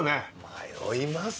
迷います